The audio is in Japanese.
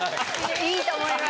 いいと思います。